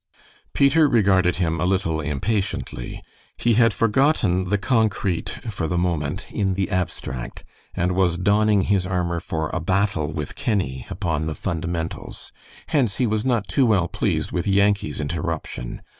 Peter regarded him a little impatiently. He had forgotten the concrete, for the moment, in the abstract, and was donning his armor for a battle with Kenny upon the "fundamentals." Hence he was not too well pleased with Yankee's interruption.